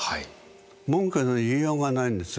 文句の言いようがないんですよ